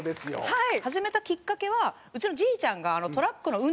はい。